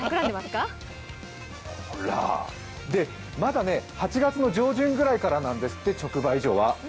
ほら、まだ８月の上旬くらいからなんですって、直売所は。